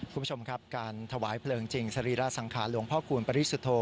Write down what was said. คุณผู้ชมครับการถวายเพลิงจริงสรีระสังขารหลวงพ่อคูณปริสุทธโธ